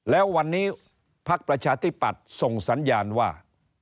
แล้ววันนี้พักประชาธิปัตย์ส่งสัญญาณว่า